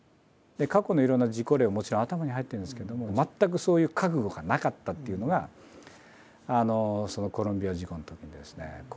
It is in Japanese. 過去のいろんな事故例ももちろん頭に入ってるんですけども全くそういう覚悟がなかったっていうのがそのコロンビア事故のときにですね